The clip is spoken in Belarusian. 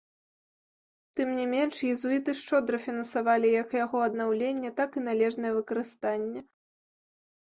Тым не менш, езуіты шчодра фінансавалі як яго аднаўленне, так і належнае выкарыстанне.